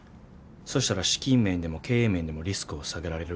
そしたら資金面でも経営面でもリスクを下げられる。